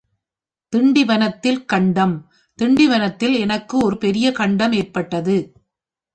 திண்டிவனத்தில் கண்டம் திண்டிவனத்தில் எனக்கு ஒருபெரிய கண்டம் ஏற்பட்டது.